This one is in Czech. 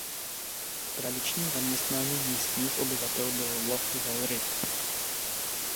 Tradičním zaměstnáním místních obyvatel byl lov velryb.